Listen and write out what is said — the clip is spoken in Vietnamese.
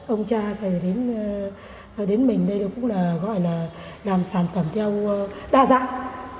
ông cha phải đến mình đây cũng là gọi là làm sản phẩm theo đa dạng